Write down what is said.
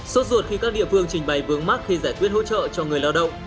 suốt ruột khi các địa phương trình bày vướng mắt khi giải quyết hỗ trợ cho người lao động